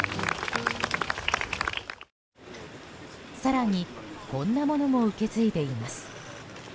更に、こんなものも受け継いでいます。